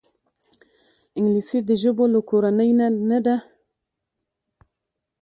انګلیسي د ژبو له کورنۍ نه ده